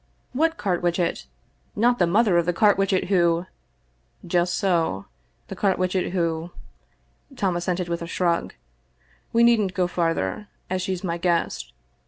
"What Carwitchet? Not the mother of the Carwitchet who "" Just so. The Carwitchet who —" Tom assented with a shrug. " We needn't go farther, as she's my guest.